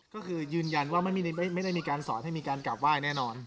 ก็คือยืนยันว่าไม่ได้มีการสอนให้มีการกลับไหว้แน่นอน